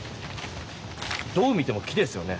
どう見ても木ですよね。